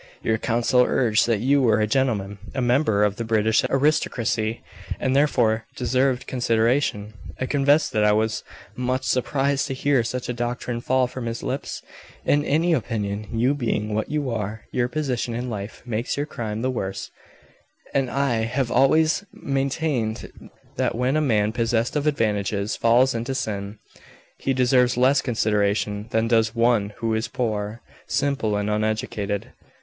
Your counsel urged that you were a gentleman, a member of the British aristocracy, and therefore deserved consideration. I confess that I was much surprised to hear such a doctrine fall from his lips. In my opinion, you being what you are, your position in life makes your crime the worse, and I have always maintained that when a man possessed of advantages falls into sin, he deserves less consideration than does one who is poor, simple, and uneducated.